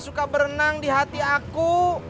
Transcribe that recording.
suka berenang di hati aku